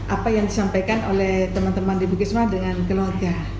apa yang disampaikan oleh teman teman di bukisma dengan keluarga